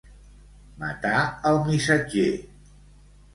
Matar el missatger.